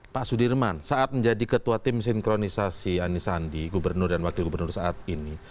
pak sudirman saat menjadi ketua tim sinkronisasi anisandi gubernur dan wakil gubernur saat ini